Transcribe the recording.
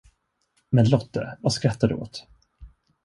Men, Lotte, vad skrattar du åt?